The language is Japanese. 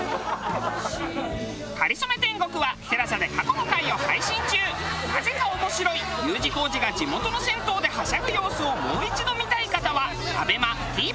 『かりそめ天国』はなぜか面白いＵ字工事が地元の銭湯ではしゃぐ様子をもう一度見たい方はＡＢＥＭＡＴＶｅｒで。